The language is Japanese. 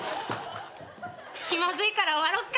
気まずいから終わろっか。